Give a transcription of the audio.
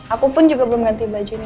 aku pun juga belum ganti baju ini